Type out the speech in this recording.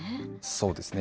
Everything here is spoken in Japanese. そうですね。